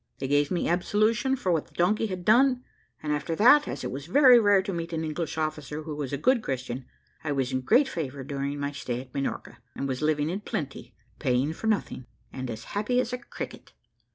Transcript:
They gave me absolution for what the donkey had done, and after that, as it was very rare to meet an English officer who was a good Christian, I was in great favour during my stay at Minorca, and was living in plenty, paying for nothing, and as happy as a cricket.